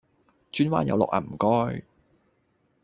轉彎有落呀唔該